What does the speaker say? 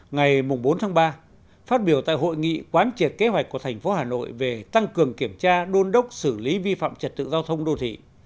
ngày bốn tháng ba phát biểu tại hội nghị quán triệt kế hoạch của thành phố hà nội về tăng cường kiểm tra đôn đốc xử lý vi phạm trật tự giao thông đô thị